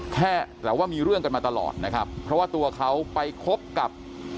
แค่แต่ว่ามีเรื่องกันมาตลอดนะครับเพราะว่าตัวเขาไปคบกับ